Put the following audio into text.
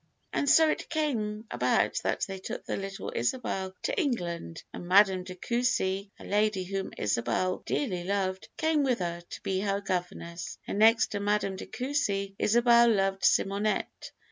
"And so it came about that they took the little Isabel to England, and Madame de Coucy, a lady whom Isabel dearly loved, came with her to be her governess; and next to Madame de Coucy, Isabel loved Simonette.